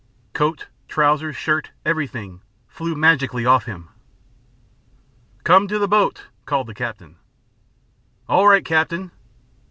Coat, trousers, shirt, everything flew magically off him. "Come to the boat," called the captain. "All right, captain."